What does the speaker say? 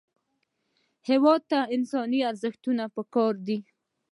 هېواد ته انساني ارزښتونه پکار دي